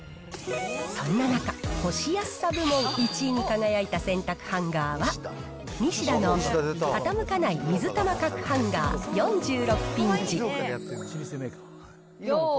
そんな中、干しやすさ部門１位に輝いた洗濯ハンガーは、ニシダの傾かない水玉角ハンガー４６ピンチ。